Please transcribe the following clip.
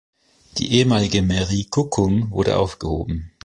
Die ehemalige Mairie Kuckum wurde aufgehoben.